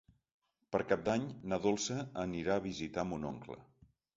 Per Cap d'Any na Dolça anirà a visitar mon oncle.